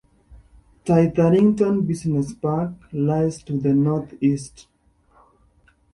Tytherington Business Park lies to the north-east.